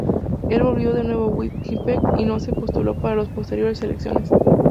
Él volvió de nuevo a Winnipeg, y no se postuló para las posteriores elecciones.